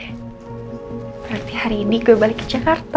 berarti hari ini gue balik ke jakarta